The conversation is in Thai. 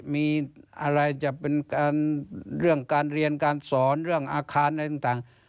มีอะไรจะเป็นเรื่องการเรียนการสอนเรื่องอาคารอะไรต่าง